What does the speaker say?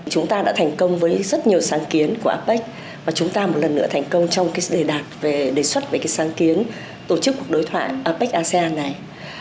chúng ta đã thành công với rất nhiều sáng kiến của apec và chúng ta một lần nữa thành công trong đề đạt về đề xuất về sáng kiến tổ chức cuộc đối thoại apec asean này